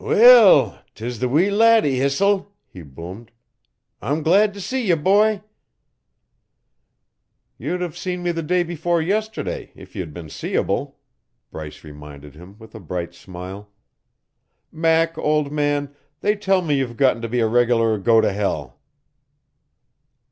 "Weel! 'Tis the wee laddie hissel," he boomed. "I'm glad to see ye, boy." "You'd have seen me the day before yesterday if you had been seeable," Bryce reminded him with a bright smile. "Mac, old man, they tell me you've gotten to be a regular go to hell."